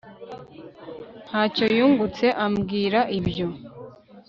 Ntacyo yungutse ambwira ibyo